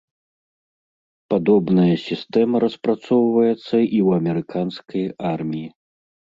Падобная сістэма распрацоўваецца і ў амерыканскай арміі.